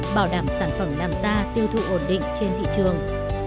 bảo đảm sản phẩm làm ra tiêu thụ ổn định trên thị trường